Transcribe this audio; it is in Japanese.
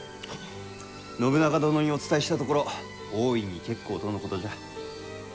信長殿にお伝えしたところ大いに結構とのことじゃ。